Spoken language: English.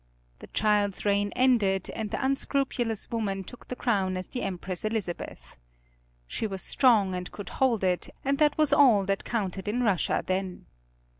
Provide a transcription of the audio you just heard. The child's reign ended, and the unscrupulous woman took the crown as the Empress Elizabeth. She was strong and could hold it and that was all that counted in Russia then.